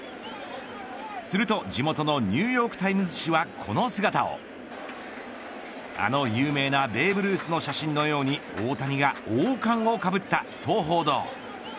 すると、地元のニューヨーク・タイムズ紙はこの姿をあの有名なベーブ・ルースの写真のように大谷が王冠をかぶったと報道。